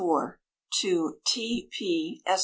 To T. P. Esq.